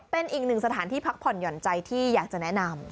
เป็นอีกหนึ่งสถานที่พักผ่อนหย่อนใจที่อยากจะแนะนำ